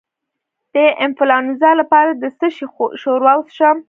د انفلونزا لپاره د څه شي ښوروا وڅښم؟